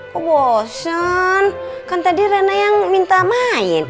kok bosen kan tadi rena yang minta main